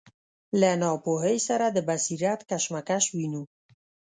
له ناپوهۍ سره د بصیرت کشمکش وینو.